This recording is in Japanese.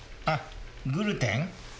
あグルテン？